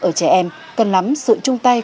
ở trẻ em cần lắm sự chung tay